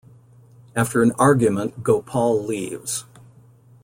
After an argument, Gopal leaves.